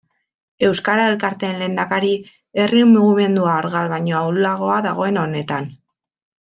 Euskara elkarteen lehendakari, herri mugimendua argal baino ahulago dagoen honetan.